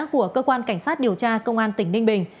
của cơ quan cảnh sát điều tra công an tỉnh ninh bình